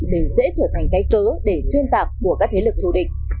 đều sẽ trở thành cái cớ để xuyên tạc của các thế lực thù địch